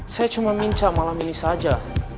saya cuma minta malam ini saja